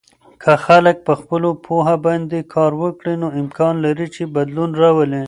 که خلک په خپلو پوهه باندې کار وکړي، نو امکان لري چې بدلون راولي.